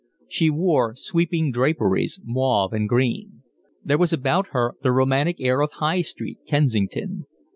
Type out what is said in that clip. She wore sweeping draperies, mauve and green. There was about her the romantic air of High Street, Kensington.